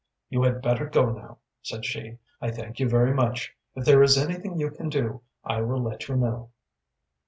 "You had better go now," said she. "I thank you very much. If there is anything you can do, I will let you know."